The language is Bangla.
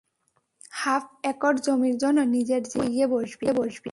হাফ একর জমির জন্য নিজের জীবন খুইয়ে বসবি।